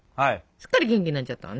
すっかり元気になっちゃったわね。